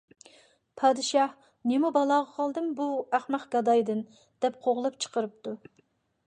پادىشاھ: «نېمە بالاغا قالدىم بۇ ئەخمەق گادايدىن» دەپ قوغلاپ چىقىرىپتۇ.